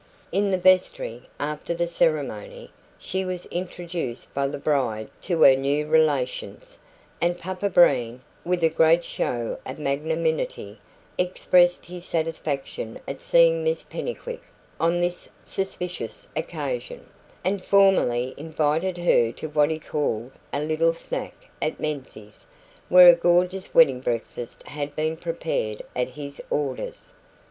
In the vestry, after the ceremony, she was introduced by the bride to her new relations; and Papa Breen, with a great show of magnanimity, expressed his satisfaction at seeing Miss Pennycuick "on this suspicious occasion", and formally invited her to what he called "a little snack" at Menzies', where a gorgeous wedding breakfast had been prepared at his orders.